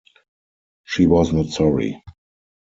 She was not sorry.